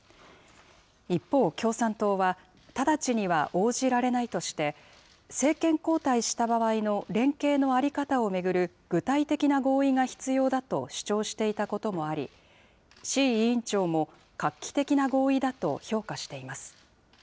一方、共産党は直ちには応じられないとして、政権交代した場合の連携の在り方を巡る具体的な合意が必要だと主張していたこともあり、志位委員長も画期的な合意だと評価しています。